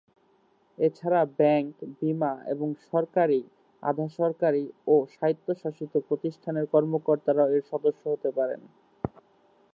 এছাড়া ব্যাংক, বীমা এবং সরকারি, আধাসরকারি ও স্বায়ত্তশাসিত প্রতিষ্ঠানের কর্মকর্তারাও এর সদস্য হতে পারেন।